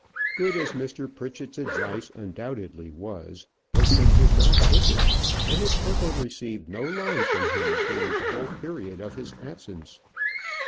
Good as Mr. Pritchett's advice undoubtedly was, Bertram did not take it; and his uncle received no line from him during the whole period of his absence.